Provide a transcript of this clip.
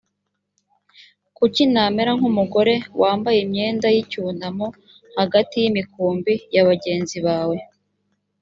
kuki namera nk umugore wambaye imyenda y icyunamo hagati y imikumbi ya bagenzi bawe